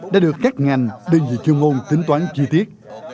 đã được các ngành đơn vị chương ngôn tính toán chi tiết